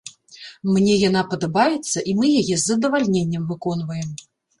Мне яна падабаецца, і мы яе з задавальненнем выконваем.